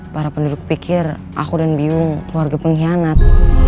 para penduduk pikir aku dan bingung keluarga pengkhianat